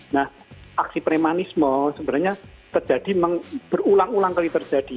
nah aksi premanisme sebenarnya terjadi berulang ulang kali terjadi